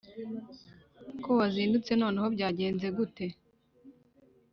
Ko wazindutse noneho byagenze gute